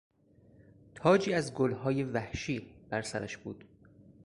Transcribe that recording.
تاجی از گلهای وحشی بر سرش بود.